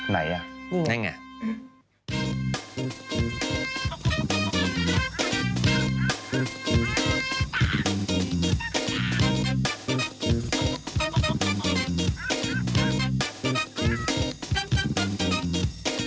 ไหนอ่ะนั่นไง